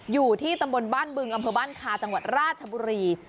อยู่ที่ตำบลบ้านบึงอำเภอบ้านคาจังหวัดราชบุรี